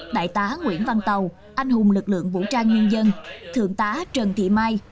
đại tá nguyễn văn tàu anh hùng lực lượng vũ trang nhân dân thượng tá trần thị mai